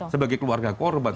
sebagai keluarga korban